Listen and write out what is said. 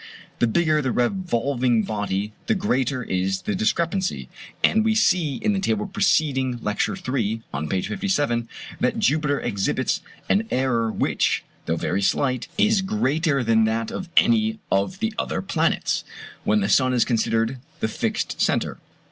The bigger the revolving body the greater is the discrepancy: and we see in the table preceding Lecture III., on page 57, that Jupiter exhibits an error which, though very slight, is greater than that of any of the other planets, when the sun is considered the fixed centre.